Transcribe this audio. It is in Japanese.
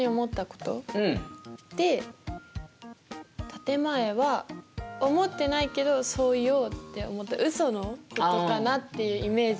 「建て前」は思ってないけどそう言おうって思ったウソのことかなっていうイメージを持っています。